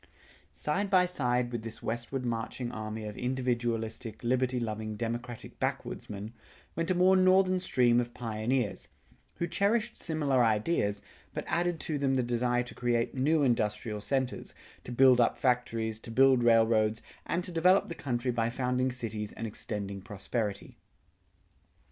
Side by side with this westward marching army of individualistic liberty loving democratic backwoodsmen, went a more northern stream of pioneers, who cherished similar ideas, but added to them the desire to create new industrial centers, to build up factories, to build railroads, and to develop the country by founding cities and extending prosperity.